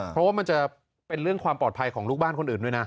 เพราะว่ามันจะเป็นเรื่องความปลอดภัยของลูกบ้านคนอื่นด้วยนะ